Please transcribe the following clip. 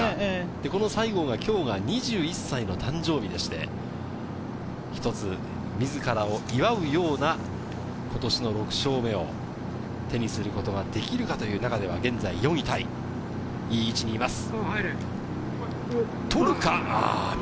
西郷が今日が２１歳の誕生日でして、一つ自らを祝うような今年の６勝目を手にすることができるかという中で現在４位タイ、いい位置にいます。